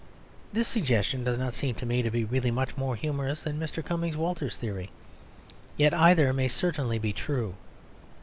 This suggestion does not seem to me to be really much more humorous than Mr. Cumming Walters's theory. Yet either may certainly be true.